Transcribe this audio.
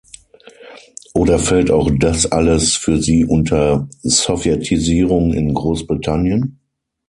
Oder fällt auch das alles für Sie unter Sowjetisierung in Großbritannien?